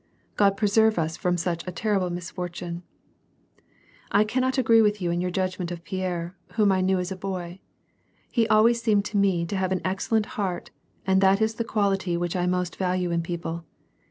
God preserve us from such a terrible misfortune ! "I cannot agree with you in your judgment of Pierre, whom I knew as a boy. He always seemed to me to have an excel lent heart and that is the quality which I most value in people.